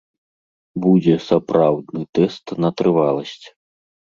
Будзе сапраўдны тэст на трываласць.